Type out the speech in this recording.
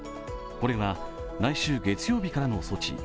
これは来週月曜日からの措置。